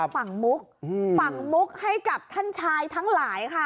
ฝั่งมุกฝั่งมุกให้กับท่านชายทั้งหลายค่ะ